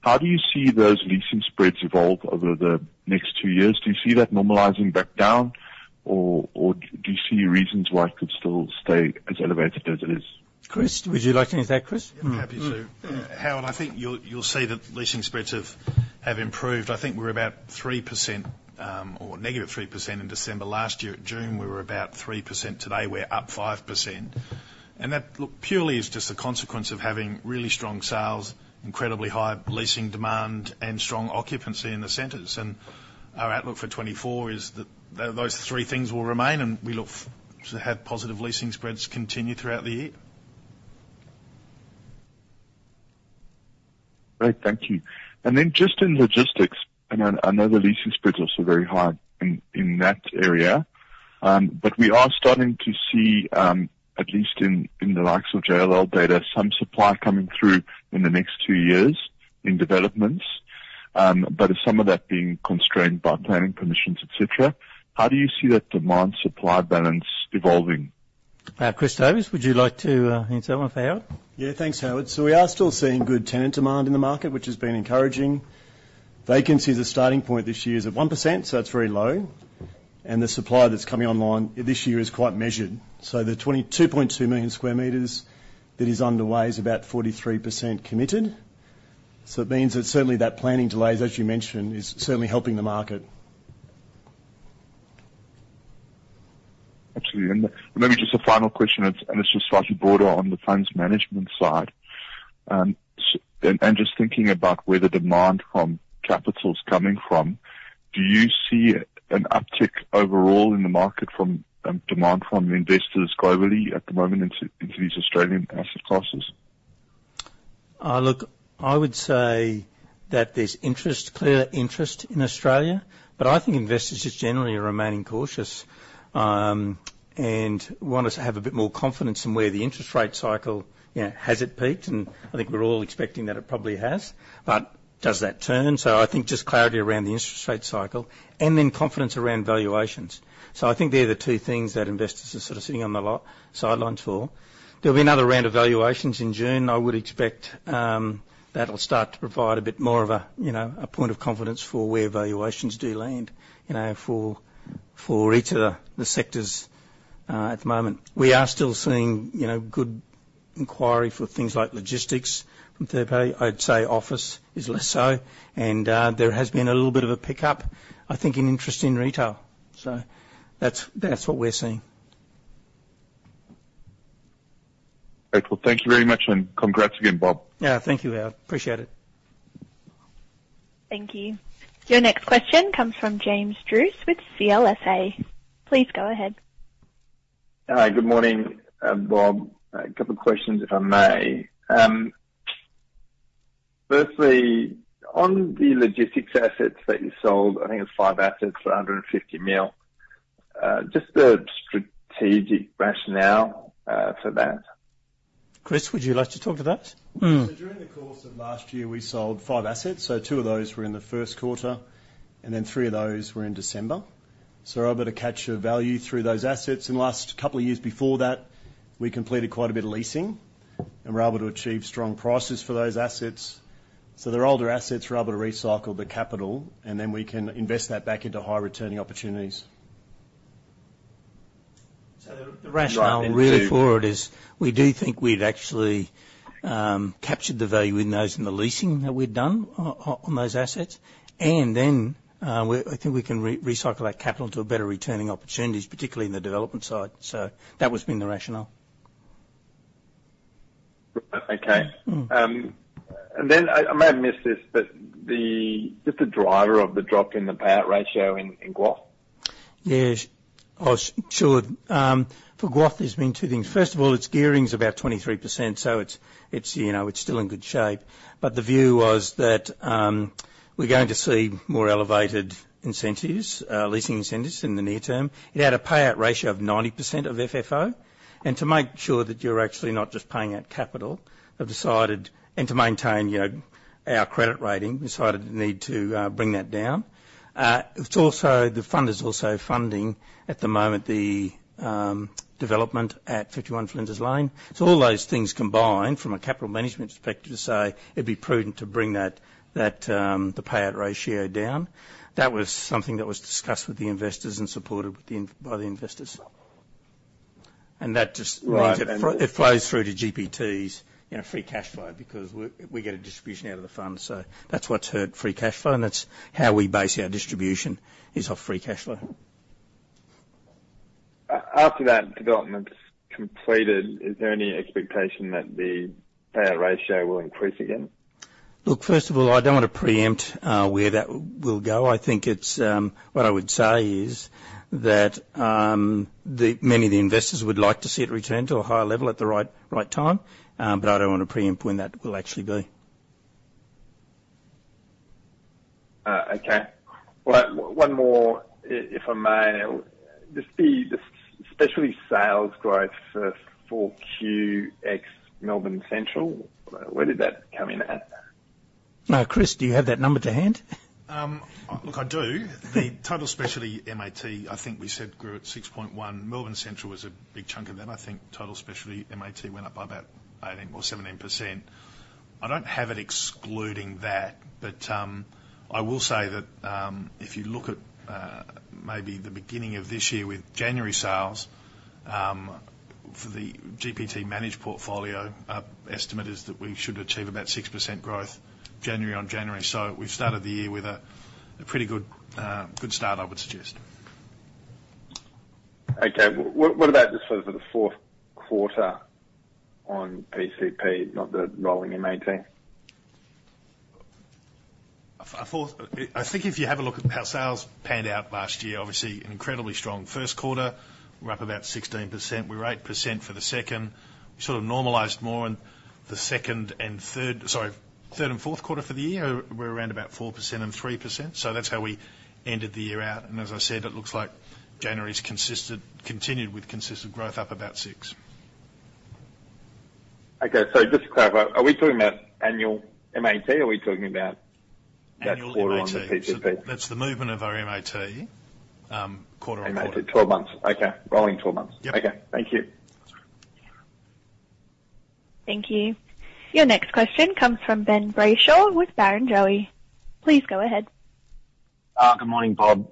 How do you see those leasing spreads evolve over the next two years? Do you see that normalizing back down, or do you see reasons why it could still stay as elevated as it is? Chris, would you like to answer that, Chris? Happy to. Howard, I think you'll, you'll see that leasing spreads have, have improved. I think we're about 3%, or negative 3% in December last year. At June, we were about 3%. Today, we're up 5%. And that, look, purely is just a consequence of having really strong sales, incredibly high leasing demand, and strong occupancy in the centers. And our outlook for 2024 is that those three things will remain, and we look to have positive leasing spreads continue throughout the year. Great, thank you. And then just in logistics, and I know the leasing spreads are also very high in that area, but we are starting to see, at least in the likes of JLL Data, some supply coming through in the next two years in developments, but some of that being constrained by planning permissions, et cetera. How do you see that demand-supply balance evolving? Chris Davis, would you like to answer that one for Howard? Yeah. Thanks, Howard. So we are still seeing good tenant demand in the market, which has been encouraging. Vacancy as a starting point this year is at 1%, so it's very low, and the supply that's coming online this year is quite measured. So the 22.2 million sq m that is underway is about 43% committed. So it means that certainly that planning delays, as you mentioned, is certainly helping the market. Absolutely. And maybe just a final question, and this is slightly broader on the funds management side. And just thinking about where the demand from capital is coming from, do you see an uptick overall in the market from demand from investors globally at the moment into these Australian asset classes? Look, I would say that there's interest, clear interest in Australia, but I think investors just generally are remaining cautious, and want us to have a bit more confidence in where the interest rate cycle, you know, has it peaked? And I think we're all expecting that it probably has. But does that turn? So I think just clarity around the interest rate cycle and then confidence around valuations. So I think they're the two things that investors are sort of sitting on the sidelines for. There'll be another round of valuations in June. I would expect, that'll start to provide a bit more of a, you know, a point of confidence for where valuations do land, you know, for, for each of the, the sectors, at the moment. We are still seeing, you know, good inquiry for things like logistics from third party. I'd say office is less so, and there has been a little bit of a pickup, I think, in interest in retail. So that's, that's what we're seeing. Great. Well, thank you very much, and congrats again, Bob. Yeah, thank you, Howard. Appreciate it. Thank you. Your next question comes from James Druce with CLSA. Please go ahead. Hi, good morning, Bob. A couple of questions, if I may. Firstly, on the logistics assets that you sold, I think it's five assets for $150 million. Just the strategic rationale for that? Chris, would you like to talk to that? Mm. So during the course of last year, we sold 5 assets, so 2 of those were in the first quarter, and then 3 of those were in December. So we were able to capture value through those assets. In the last couple of years before that, we completed quite a bit of leasing, and we're able to achieve strong prices for those assets. So they're older assets, we're able to recycle the capital, and then we can invest that back into high-returning opportunities. So the rationale really for it is, we do think we'd actually captured the value in those, in the leasing that we'd done on those assets. And then, I think we can recycle that capital into a better returning opportunities, particularly in the development side. So that has been the rationale. Okay. Mm. And then I may have missed this, but just the driver of the drop in the payout ratio in GWOF. Yes. Oh, sure. For GWOF, there's been two things. First of all, its gearing is about 23%, so it's, it's, you know, it's still in good shape. But the view was that, we're going to see more elevated incentives, leasing incentives in the near term. It had a payout ratio of 90% of FFO, and to make sure that you're actually not just paying out capital, I've decided... And to maintain, you know, our credit rating, decided the need to, bring that down. It's also, the fund is also funding, at the moment, the, development at 51 Flinders Lane. So all those things combined from a capital management perspective, to say it'd be prudent to bring that, that, the payout ratio down. That was something that was discussed with the investors and supported by the investors. And that just- Right. It flows through to GPT's, you know, free cash flow because we get a distribution out of the fund. So that's what's hurt free cash flow, and that's how we base our distribution, is off free cash flow. After that development's completed, is there any expectation that the payout ratio will increase again? Look, first of all, I don't want to preempt where that will go. I think it's what I would say is that the many of the investors would like to see it return to a higher level at the right, right time, but I don't want to preempt when that will actually be. Okay. Well, one more, if I may. The specialty sales growth for QX, Melbourne Central, where did that come in at? Chris, do you have that number to hand? Look, I do. The total specialty MAT, I think we said grew at 6.1. Melbourne Central was a big chunk of that. I think total specialty MAT went up by about 18% or 17%. I don't have it excluding that, but, I will say that, if you look at, maybe the beginning of this year with January sales, for the GPT managed portfolio, our estimate is that we should achieve about 6% growth, January on January. So we've started the year with a, a pretty good, good start, I would suggest. Okay. What about just sort of the fourth quarter on PCP, not the rolling MAT? I think if you have a look at how sales panned out last year, obviously an incredibly strong first quarter. We're up about 16%. We were 8% for the second. We sort of normalized more in the second and third, sorry, third and fourth quarter for the year, we're around about 4% and 3%, so that's how we ended the year out. And as I said, it looks like January's consistent, continued with consistent growth up about 6%. Okay. So just to clarify, are we talking about annual MAT, or are we talking about- Annual MAT. That quarter on the PCP? That's the movement of our MAT, quarter-on-quarter. MAT, 12 months. Okay, rolling 12 months. Yep. Okay, thank you. Thank you. Your next question comes from Ben Brayshaw with Barrenjoey. Please go ahead. Good morning, Bob.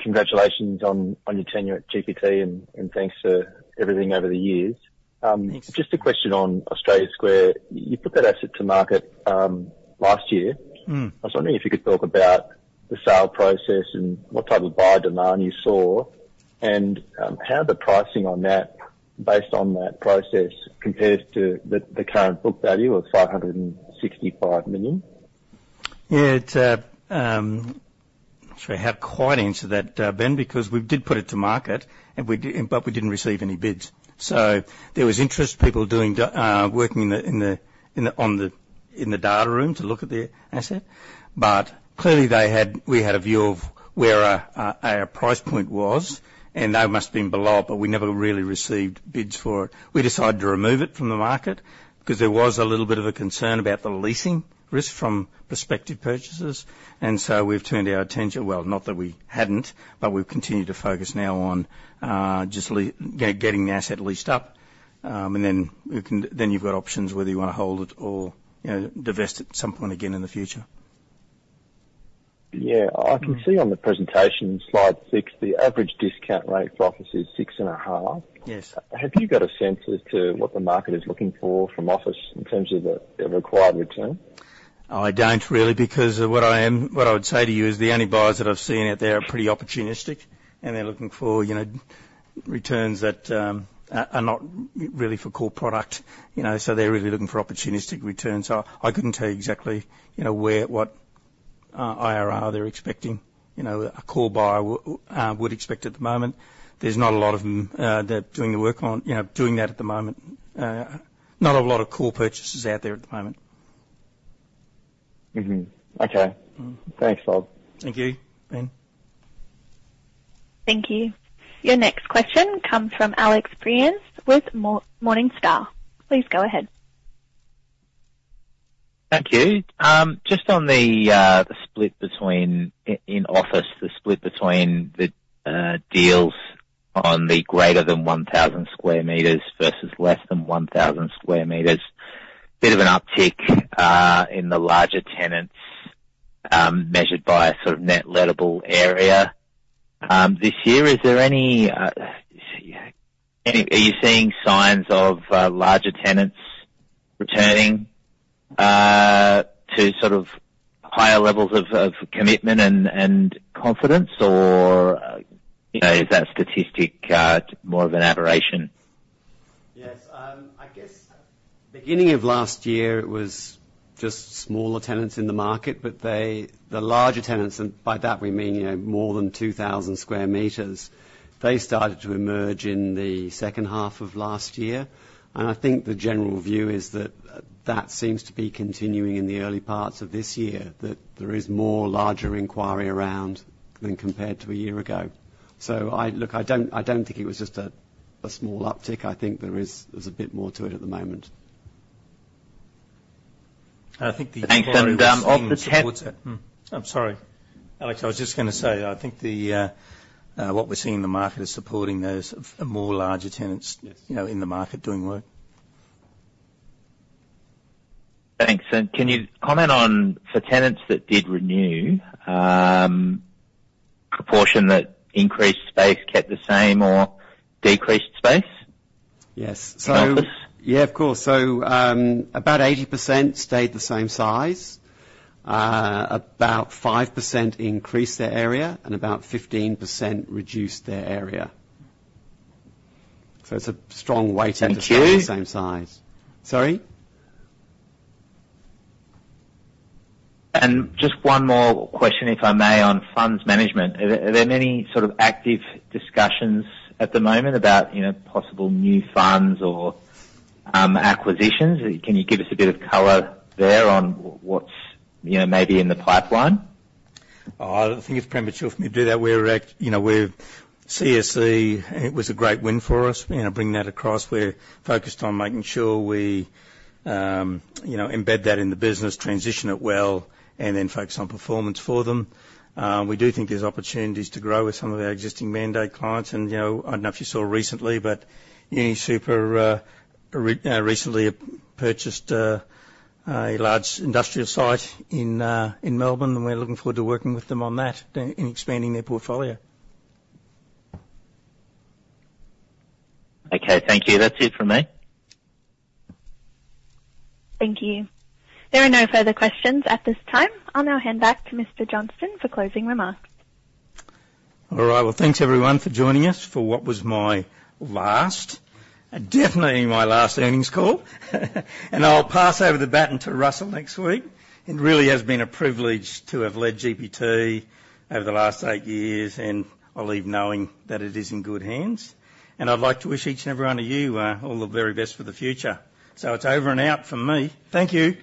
Congratulations on your tenure at GPT, and thanks for everything over the years. Thanks. Just a question on Australia Square. You put that asset to market, last year. Mm. I was wondering if you could talk about the sale process and what type of buyer demand you saw, and how the pricing on that, based on that process, compares to the current book value of $565 million? Yeah, I'm not sure how to quite answer that, Ben, because we did put it to market, but we didn't receive any bids. So there was interest, people working in the data room to look at the asset. But clearly, we had a view of where our price point was, and they must have been below it, but we never really received bids for it. We decided to remove it from the market because there was a little bit of a concern about the leasing risk from prospective purchasers, and so we've turned our attention. Well, not that we hadn't, but we've continued to focus now on just getting the asset leased up. And then you've got options whether you want to hold it or, you know, divest at some point again in the future. Yeah. Mm. I can see on the presentation, slide 6, the average discount rate for office is 6.5%. Yes. Have you got a sense as to what the market is looking for from office in terms of the required return? I don't really, because what I would say to you is, the only buyers that I've seen out there are pretty opportunistic, and they're looking for, you know, returns that are not really for core product, you know, so they're really looking for opportunistic returns. So I couldn't tell you exactly, you know, where, what IRR they're expecting. You know, a core buyer would expect at the moment. There's not a lot of them that doing the work on, you know, doing that at the moment. Not a lot of core purchases out there at the moment. Mm-hmm. Okay. Thanks, Bob. Thank you, Ben. Thank you. Your next question comes from Alex Prineas with Morningstar. Please go ahead. Thank you. Just on the split between in office, the split between the deals on the greater than 1,000 sq m versus less than 1,000 sq m. Bit of an uptick in the larger tenants, measured by a sort of net lettable area, this year. Is there any, are you seeing signs of larger tenants returning to sort of higher levels of, of commitment and, and confidence? Or, you know, is that statistic more of an aberration? Yes. I guess beginning of last year, it was just smaller tenants in the market, but they, the larger tenants, and by that we mean, you know, more than 2,000 sq m. They started to emerge in the second half of last year, and I think the general view is that that seems to be continuing in the early parts of this year, that there is more larger inquiry around than compared to a year ago. So, look, I don't think it was just a small uptick. I think there is, there's a bit more to it at the moment. And then, of the, I think the inquiry we're seeing supports it. I'm sorry, Alex, I was just gonna say, I think what we're seeing in the market is supporting those of more larger tenants- Yes. You know, in the market doing work. Thanks. Can you comment on, for tenants that did renew, proportion that increased space, kept the same or decreased space? Yes. In office? Yeah, of course. So, about 80% stayed the same size, about 5% increased their area, and about 15% reduced their area. So it's a strong weighting- Thank you. to stay the same size. Sorry? Just one more question, if I may, on funds management. Are there any sort of active discussions at the moment about, you know, possible new funds or acquisitions? Can you give us a bit of color there on what's, you know, maybe in the pipeline? Oh, I think it's premature for me to do that. We're you know, we're CSC, it was a great win for us, you know, bringing that across. We're focused on making sure we, you know, embed that in the business, transition it well, and then focus on performance for them. We do think there's opportunities to grow with some of our existing mandate clients, and, you know, I don't know if you saw recently, but UniSuper recently purchased a large industrial site in in Melbourne, and we're looking forward to working with them on that, in expanding their portfolio. Okay, thank you. That's it from me. Thank you. There are no further questions at this time. I'll now hand back to Mr. Johnston for closing remarks. All right. Well, thanks, everyone, for joining us for what was my last and definitely my last earnings call. And I'll pass over the baton to Russell next week. It really has been a privilege to have led GPT over the last eight years, and I'll leave knowing that it is in good hands. And I'd like to wish each and every one of you, all the very best for the future. So it's over and out for me. Thank you.